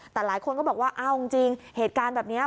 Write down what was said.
แต่หลายคนก็บอกว่าเอาจริงเหตุการณ์แบบนี้